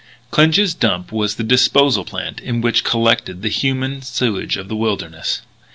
II Clinch's dump was the disposal plant in which collected the human sewage of the wilderness.